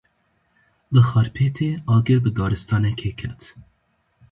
Li Xarpêtê agir bi daristanekê ket.